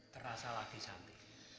terasa lagi santi